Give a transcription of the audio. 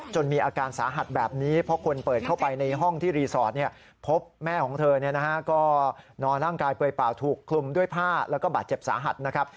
มีอาการสาหัสแบบนี้เพราะคนเปิดเข้าไปในห้องที่รีสอร์ทพบแม่ของเธอก็นอนร่างกายเปลยเปล่าถูกคลุมด้วยผ้าแล้วก็บาดเจ็บสาหัสนะครับ